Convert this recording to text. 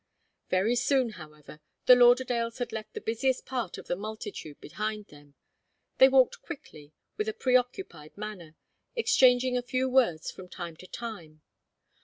Very soon, however, the Lauderdales had left the busiest part of the multitude behind them. They walked quickly, with a preoccupied manner, exchanging a few words from time to time.